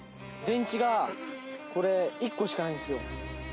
電池がこれ１個しかないんですよ。